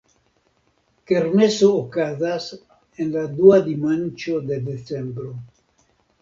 Kermeso okazas en la dua dimanĉo de decembro.